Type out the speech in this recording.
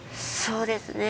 そうですね。